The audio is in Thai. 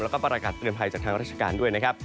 แล้วก็ประกาศเตือนภัยจากทางราชการด้วยนะครับ